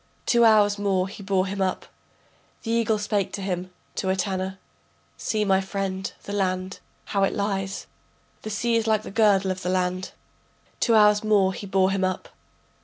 Two hours more he bore him up. The eagle spake to him, to Etana: See my friend the land, how it lies, The sea is like the girdle of the land. Two hours more he bore him up.